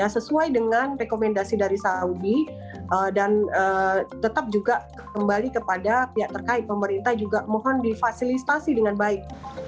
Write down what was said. sesuai dengan rekomendasi dari saudi dan tetap juga kembali kepada pihak terkait pemerintah juga mohon difasilitasi dengan baik